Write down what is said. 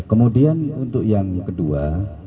kemudian untuk yang kedua